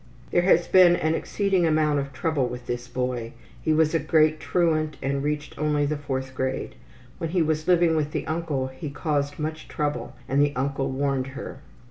There has been an exceeding amount of trouble with this boy. He was a great truant and reached only the 4th grade. When he was living with the uncle he caused much trouble, and the uncle warned her.